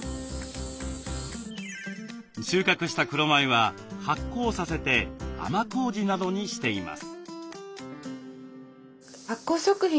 収穫した黒米は発酵させて甘こうじなどにしています。